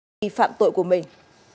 đều bị phạm tội của mình